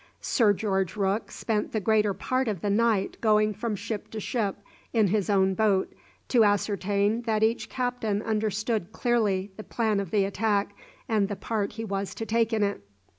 Sir George Rooke spent the greater part of the night going from ship to ship in his own boat to ascertain that each captain understood clearly the plan of the attack and the part he was to take in it.